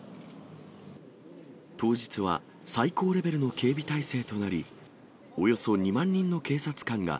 当日は最高レベルの警備態勢となり、およそ２万人の警察官が